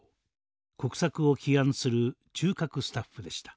国策を起案する中核スタッフでした。